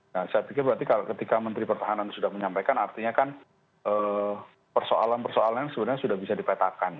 nah saya pikir berarti ketika menteri pertahanan sudah menyampaikan artinya kan persoalan persoalan yang sebenarnya sudah bisa dipetakan